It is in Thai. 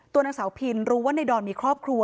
นางสาวพินรู้ว่าในดอนมีครอบครัว